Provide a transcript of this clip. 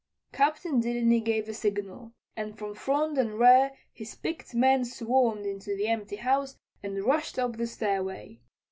Captain Delany gave a signal, and from front and rear his picked men swarmed into the empty house and rushed up the stairway.